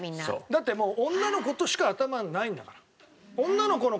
だってもう女の事しか頭にないんだから。